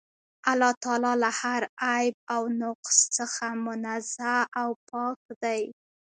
الله تعالی له هر عيب او نُقص څخه منزَّه او پاك دی